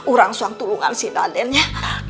orang suam tulungan si adennya